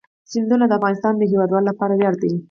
سیندونه د افغانستان د هیوادوالو لپاره ویاړ دی.